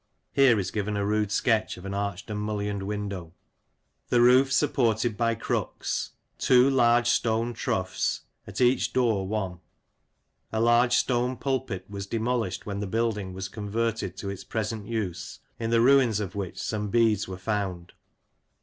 [Here is given a rude sketch of an arched and mullioned window.] The Roof supported by Crooks. 2 large stone Troughs ; at each Door one. A large stone Pulpit was demolished when the Build ing was converted to its present use, in the ruins of which some Beads were found.